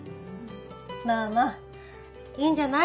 まぁまぁいいんじゃない？